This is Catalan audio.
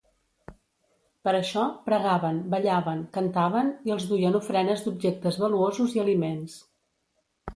Per això, pregaven, ballaven, cantaven i els duien ofrenes d'objectes valuosos i aliments.